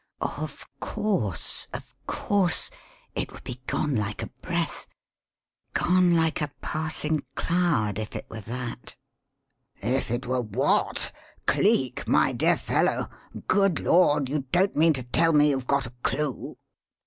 "Of course, of course! It would be gone like a breath, gone like a passing cloud if it were that." "If it were what? Cleek, my dear fellow! Good Lord! you don't mean to tell me you've got a clue?"